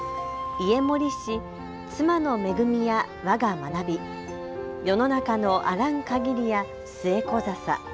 家守し妻の恵みや我が学び世の中のあらん限りやスエコ笹。